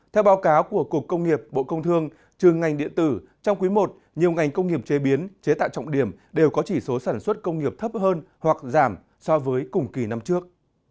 theo báo cáo của cục công nghiệp bộ công thương trường ngành điện tử trong quý i nhiều ngành công nghiệp chế biến chế tạo trọng điểm đều có chỉ số sản xuất công nghiệp thấp hơn hoặc giảm so với cùng kỳ năm trước